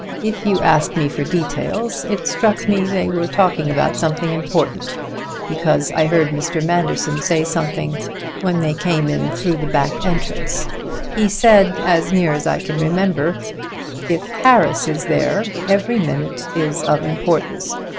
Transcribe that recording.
If you ask me for details, it struck me they were talking about something important, because I heard Mr. Manderson say something when they came in through the back entrance. He said, as near as I can remember: 'If Harris is there, every minute is of importance.